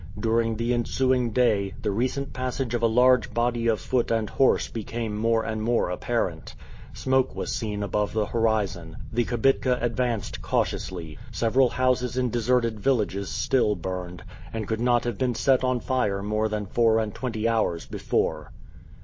During the ensuing day, the recent passage of a large body of foot and horse became more and more apparent. Smoke was seen above the horizon. The kibitka advanced cautiously. Several houses in deserted villages still burned, and could not have been set on fire more than four and twenty hours before.